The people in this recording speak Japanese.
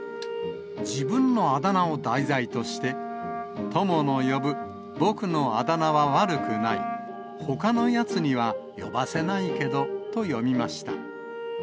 自分のあだ名を題材として、友の呼ぶ僕のあだ名は悪くない、他のやつには呼ばせないけど、と詠みました。